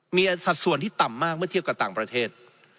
มีสัดส่วนที่ต่ำมากเมื่อเทียบกับต่างประเทศ